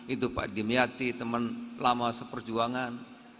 itu pak dimyati teman lama seperjuangan